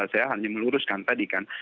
saya hanya meluruskan tadi kan